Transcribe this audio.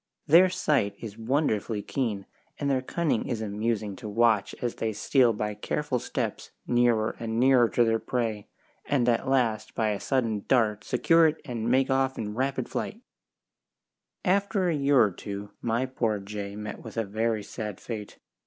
Their sight is wonderfully keen, and their cunning is amusing to watch as they steal by careful steps nearer and nearer to their prey, and at last by a sudden dart secure it and make off in rapid flight. [Illustration: THE JAY.] After a year or two my poor jay met with a very sad fate.